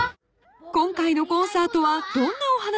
［今回のコンサートはどんなお話かな？］